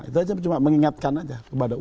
itu aja cuma mengingatkan aja kepada